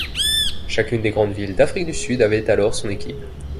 Chacune des grandes villes d'Afrique du Sud avait alors son équipe.